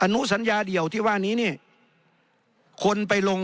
นุสัญญาเดี่ยวที่ว่านี้เนี่ยคนไปลง